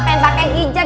pengen pakai hijab